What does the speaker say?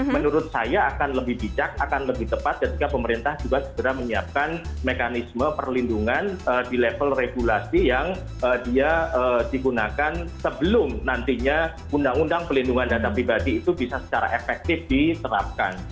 menurut saya akan lebih bijak akan lebih tepat ketika pemerintah juga segera menyiapkan mekanisme perlindungan di level regulasi yang dia digunakan sebelum nantinya undang undang pelindungan data pribadi itu bisa secara efektif diterapkan